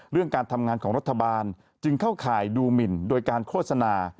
เรื่องการทำงานของรัฐบาลจึงเข้าข่ายดูหมินโดยการโฆษณา